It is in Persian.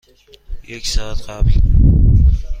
یک ساعت قبل.